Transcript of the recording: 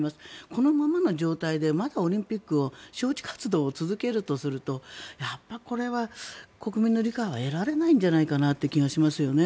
このままの状態でまだオリンピック招致活動を続けるとするとやっぱりこれは国民の理解は得られないんじゃないかなと思いますね。